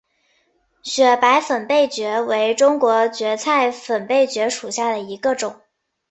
雪白粉背蕨为中国蕨科粉背蕨属下的一个种。